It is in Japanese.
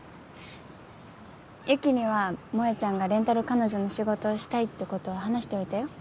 雪には萌ちゃんがレンタル彼女の仕事をしたいってことは話しておいたよ。